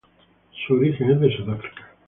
Su origen es de Sudáfrica.